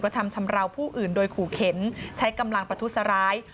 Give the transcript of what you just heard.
เพราะทำชำระวผู้อื่นด้วยขู่เข็นใช้กำลังประทุตรร้าย